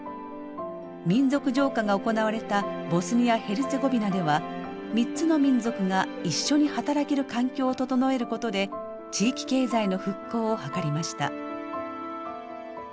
民族浄化が行われたボスニア・ヘルツェゴビナでは３つの民族が一緒に働ける環境を整えることで地域経済の復興を図りました。